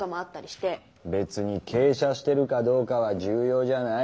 別に傾斜してるかどうかは重要じゃない。